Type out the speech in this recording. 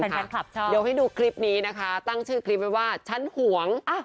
เดี๋ยวให้ดูคลิปนี้นะคะตั้งชื่อคลิปไว้ว่าฉันห่วง